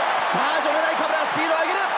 ジョネ・ナイカブラ、スピードを上げる。